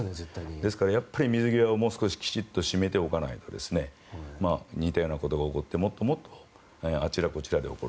ですから、水際をもう少しきちんと締めておかないと似たようなことが起こってもっともっとあちらこちらで起こる。